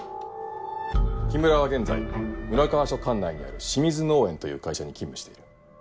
木村は現在村川署管内にある清水農園という会社に勤務している。